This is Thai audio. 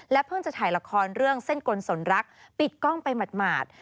เพิ่งจะถ่ายละครเรื่องเส้นกลสนรักปิดกล้องไปหมาด